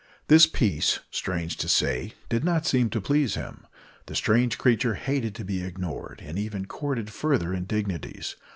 This peace, strange to say, did not seem to please him. The strange creature hated to be ignored, and even courted further indignities.